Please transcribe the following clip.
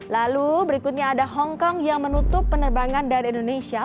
lalu berikutnya ada hongkong yang menutup penerbangan dari indonesia